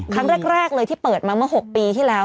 ครั้งแรกเลยที่เปิดมาเมื่อ๖ปีที่แล้ว